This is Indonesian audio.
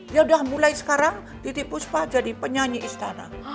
ya udah mulai sekarang titi puspa jadi penyanyi istana